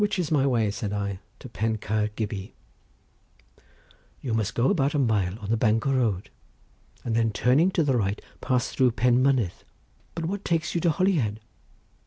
"Which is my way," said I, "to Pen Caer Gybi?" "You must go about a mile on the Bangor road, and then turning to the right pass through Penmynnydd, but what takes you to Holyhead?"